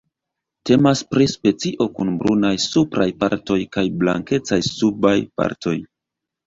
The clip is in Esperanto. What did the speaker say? Temas pri specio kun brunaj supraj partoj kaj blankecaj subaj partoj.